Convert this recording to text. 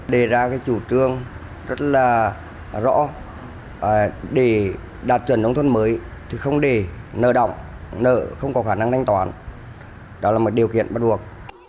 đề ra cái chủ trương rất là rõ để đạt chuẩn nông thôn mới thì không để nợ động nợ không có khả năng thanh toán đó là một điều kiện bắt buộc